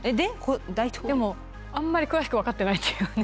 でもあんまり詳しく分かっていないという。